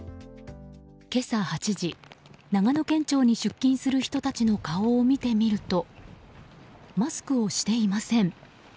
今朝８時長野県庁に出勤する人たちの顔を見てみるとマスクをしていません。